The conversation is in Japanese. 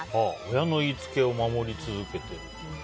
親の言いつけを守り続けている。